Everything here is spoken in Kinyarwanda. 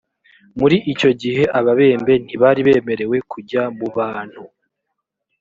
muri icyo gihe ababembe ntibari bemerewe kujya mu bantu